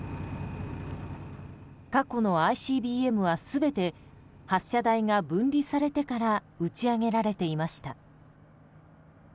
過去のＩＣＢＭは全て発射台が分離されてから打ち上げられていました。